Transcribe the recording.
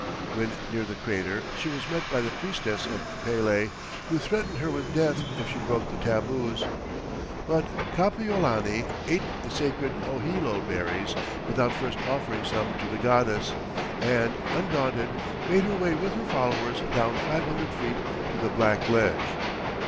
When near the crater, she was met by the priestess of Pele, who threatened her with death if she broke the tabus. But Kapiolani ate the sacred ohelo berries without first offering some to the goddess, and undaunted, made her way with her followers down five hundred feet to the "Black Ledge."